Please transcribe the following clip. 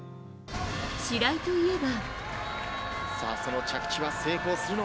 白井といえば。